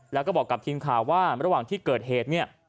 แล้วก็บอกกับทีมข่าวว่าระหว่างที่เกิดเหตุเนี่ย